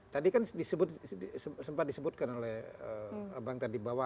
tadi kan sempat disebutkan oleh abang tadi bahwa